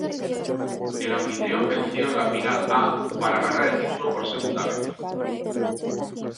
El anfitrión venció en la final a para ganar el título por segunda vez.